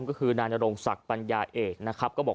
ก็คือนารงศักดิ์ปัญญาเอชนะครับ